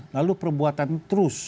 lalu perbuatan itu tidak ada perbuatan